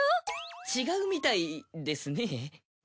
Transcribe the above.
違うみたいですね。